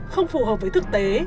không phù hợp với thực tế